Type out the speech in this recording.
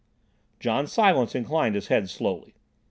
John Silence inclined his head slowly.